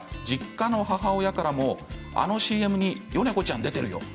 実家の母親からもあのＣＭに米子ちゃんが出ているよ